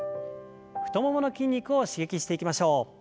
太ももの筋肉を刺激していきましょう。